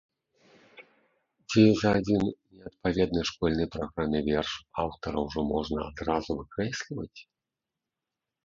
Ці за адзін неадпаведны школьнай праграме верш аўтара ўжо можна адразу выкрэсліваць?